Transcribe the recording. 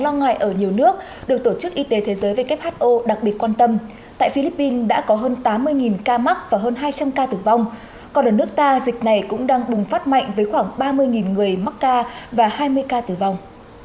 ngoài ra dịch này cũng đang bùng phát mạnh với khoảng ba mươi người mắc ca và hai mươi ca tử vong